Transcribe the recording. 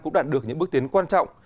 cũng đoạn được những bước tiến quan trọng